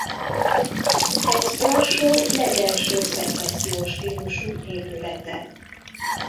Ez Brassó legelső szecessziós stílusú épülete.